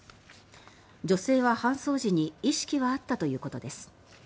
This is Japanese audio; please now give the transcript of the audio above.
女性は搬送時に意識はあったということです。